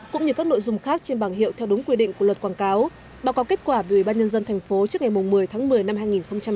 cũng như các nội dung khác trên bảng hiệu theo đúng quy định của luật quảng cáo báo cáo kết quả về ủy ban nhân dân thành phố trước ngày một mươi tháng một mươi năm hai nghìn một mươi chín